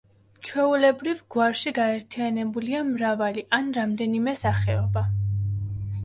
ჩვეულებრივ, გვარში გაერთიანებულია მრავალი ან რამდენიმე სახეობა.